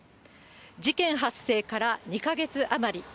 事件発生から２か月余り。